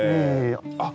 あっ！